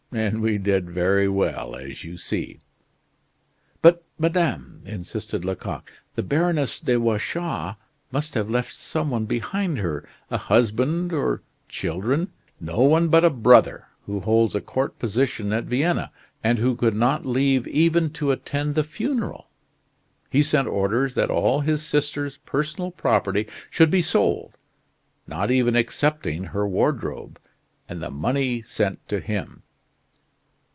And we did very well, as you see." "But, madame," insisted Lecoq, "the Baroness de Watchau must have left some one behind her a husband, or children " "No one but a brother, who holds a court position at Vienna: and who could not leave even to attend the funeral. He sent orders that all his sister's personal property should be sold not even excepting her wardrobe and the money sent to him."